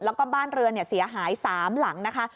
แล้วก็บ้านเรือนเสียหาย๓หลังนะคะ